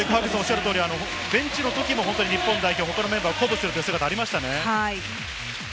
ベンチのときも日本代表、他のメンバーを鼓舞する姿がありましたよね。